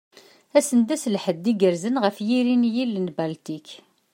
Ass-en d ass n lḥedd igerrzen ɣef yiri n yill n Baltik.